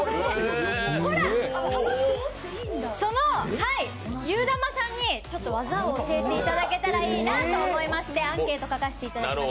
そのゆーだまさんに技を教えていただけたらいいなと思いましてアンケート書かせていただきました。